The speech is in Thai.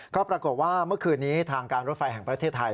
ก็ปรากฏว่าเมื่อคืนนี้ทางการรถไฟแห่งประเทศไทย